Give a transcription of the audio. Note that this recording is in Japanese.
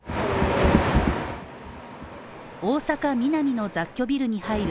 大阪・ミナミの雑居ビルに入る